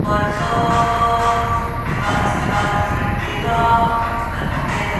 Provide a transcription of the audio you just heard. Con este apuñalamiento podría decirse que los dos nuevos miembros fueron "bautizados" en Slipknot.